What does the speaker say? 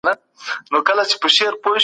صنعت څه وخت وده کوي؟